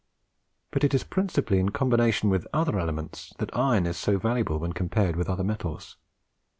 But it is principally in combination with other elements that iron is so valuable when compared with other metals.